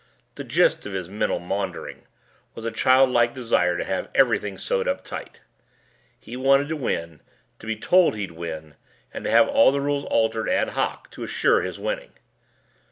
The gist of his mental maundering was a childlike desire to have everything sewed up tight. He wanted to win, to be told that he'd win, and to have all the rules altered ad hoc to assure his winning.